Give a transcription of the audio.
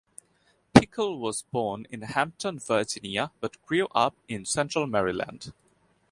Pickle was born in Hampton Virginia but grew up in central Maryland.